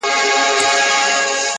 مړی چي خداى شرموي، پر تخته گوز واچوي.